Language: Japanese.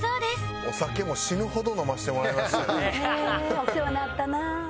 お世話なったなあ。